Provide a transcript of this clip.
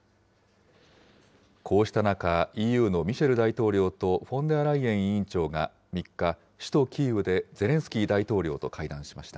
こうした中、ＥＵのミシェル大統領とフォンデアライエン委員長が３日、首都キーウでゼレンスキー大統領と会談しました。